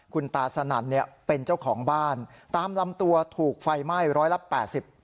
คุณตาสนั่นเนี่ยเป็นเจ้าของบ้านตามลำตัวถูกไฟไหม้ร้อยละแปดสิบ